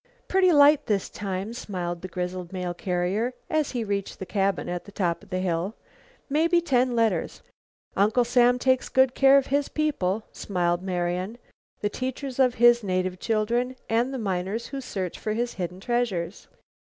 "Pretty light this time," smiled the grizzled mail carrier as he reached the cabin at the top of the hill; "mebby ten letters." "Uncle Sam takes good care of his people," smiled Marian, "the teachers of his native children and the miners who search for his hidden treasures."